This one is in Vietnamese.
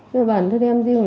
nhưng mà bản thân em riêng là